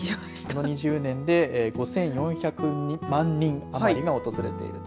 この２０年で５４００万人余りが訪れている。